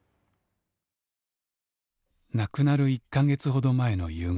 亡くなる１か月ほど前の夕方。